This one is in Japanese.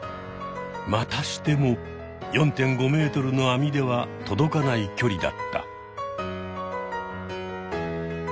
またしても４．５ｍの網では届かない距離だった。